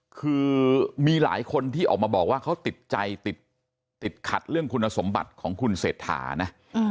คือมีหลายคนที่ออกมาบอกว่าเขาติดใจติดขัดเรื่องคุณสมบัติของคุณเศรษฐานะ